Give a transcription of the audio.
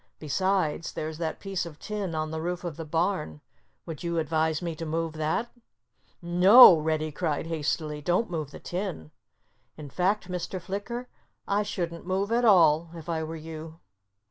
"Besides, there's that piece of tin on the roof of the barn. Would you advise me to move that?" "No!" Reddy cried hastily. "Don't move the tin! In fact, Mr. Flicker, I shouldn't move at all, if I were you."